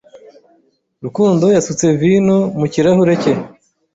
Rukundo yasutse vino mu kirahure cye.